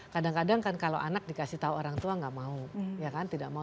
kadang kadang kan kalau anak dikasih tahu orang tua nggak mau